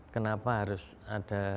kenapa harus ada rumah kurasi